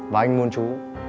và anh muốn chú